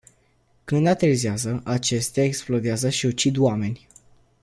Când aterizează, acestea explodează și ucid oameni.